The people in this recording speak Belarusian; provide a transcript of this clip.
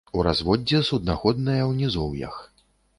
У разводдзе суднаходная ў нізоўях.